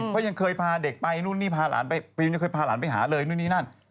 เขายังเคยพาเด็กไปนู่นนี่พาหลานไปปีนยังเคยพาหลานไปหาเลยนู่นนี่นั่น